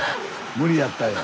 無理やったんや。